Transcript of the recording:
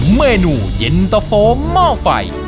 เมนูเย็นตะโฟหม้อไฟ